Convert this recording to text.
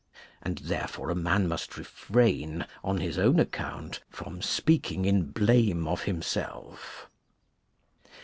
And, therefore, a man must refrain, on its own account, from speaking in blame of himself.